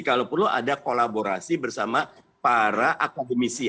kalau perlu ada kolaborasi bersama para akademisi